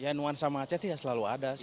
ya nuansa macet sih ya selalu ada sih